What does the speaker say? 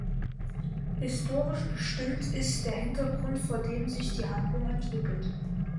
Historisch bestimmt ist der Hintergrund, vor dem sich die Handlung entwickelt.